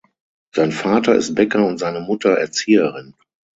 Sein Vater ist Bäcker und seine Mutter Erzieherin.